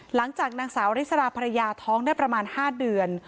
หลังจากนางสาวริสราภรรยาท้องได้ประมาณ๕เดือน